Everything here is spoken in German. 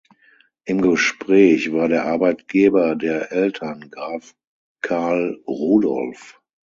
Im Gespräch war der Arbeitgeber der Eltern, Graf Karl Rudolf.